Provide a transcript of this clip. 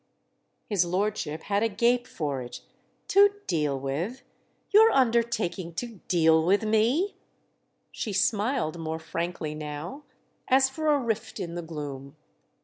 His lordship had a gape for it. "'To deal with'? You're undertaking to 'deal' with me?" She smiled more frankly now, as for a rift in the gloom.